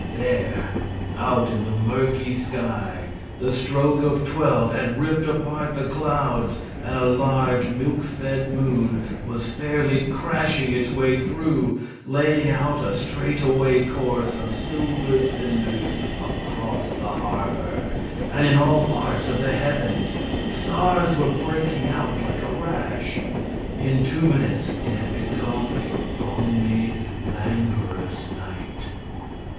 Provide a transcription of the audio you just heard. There, out in the murky sky, the stroke of twelve had ripped apart the clouds and a large, milk fed moon was fairly crashing its way through, laying out a straight away course of silver cinders across the harbor, and in all parts of the heavens stars were breaking out like a rash. In two minutes it had become a balmy, languorous night.